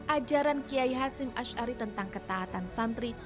ajaran kiai hashim ash'ari tentang ketaatan santri